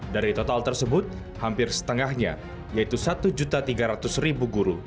dari total tersebut hampir setengahnya yaitu satu tiga ratus guru